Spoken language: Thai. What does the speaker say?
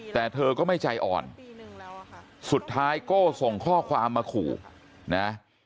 แต่เธอก็ไม่ใจอ่อนสุดท้ายโก้ส่งข้อความมาขู่นะ